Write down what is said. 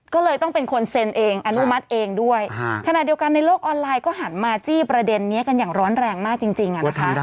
ก็เลยต้องเป็นคนเซ็นเองอนุมัติเองด้วยขณะเดียวกันในโลกออนไลน์ก็หันมาจี้ประเด็นนี้กันอย่างร้อนแรงมากจริงนะคะ